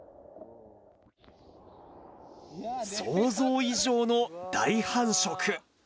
想像以上の大繁殖。